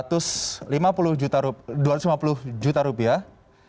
harga dari rumah tersebut ini tidak boleh melebihi dua ratus lima puluh juta rupiah